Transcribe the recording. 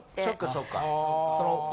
そっかそっか。